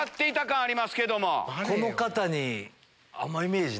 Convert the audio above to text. この方に。